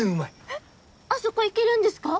えっ！あそこ行けるんですか？